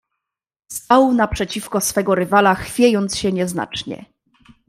"Stał naprzeciwko swego rywala, chwiejąc się nieznacznie."